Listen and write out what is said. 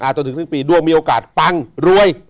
จนถึงสิ้นปีด้วงมีโอกาสปังรวย